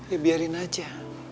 ya biarin aja